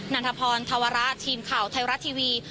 ันทพรธวระทีมข่าวไทยรัฐทีวี